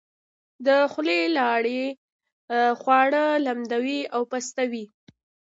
د خولې لاړې خواړه لمدوي او پستوي.